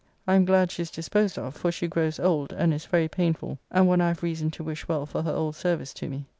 I am glad she is disposed of, for she grows old, and is very painfull, [painstaking] and one I have reason to wish well for her old service to me.